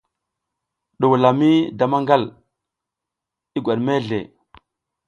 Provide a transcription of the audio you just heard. Ɗuwula mi da maƞgal, i ngwat mezle.